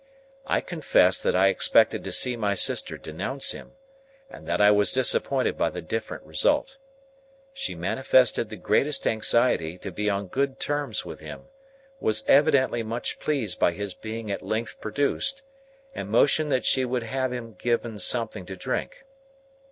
I confess that I expected to see my sister denounce him, and that I was disappointed by the different result. She manifested the greatest anxiety to be on good terms with him, was evidently much pleased by his being at length produced, and motioned that she would have him given something to drink.